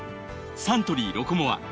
サントリー「ロコモア」